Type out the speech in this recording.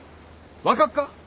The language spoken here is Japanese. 分かっか？